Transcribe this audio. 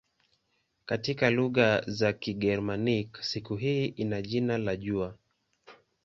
Katika lugha za Kigermanik siku hii ina jina la "jua".